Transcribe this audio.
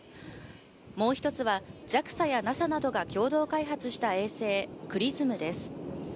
もう一つはＪＡＸＡやＮＡＳＡなどが共同開発した衛星ＸＲＩＳＭです。